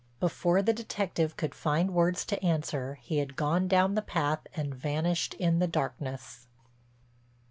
Before the detective could find words to answer he had gone down the path and vanished in the darkness.